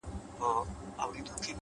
هر منزل له استقامت سره نږدې کېږي!